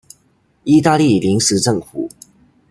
義大利臨時政府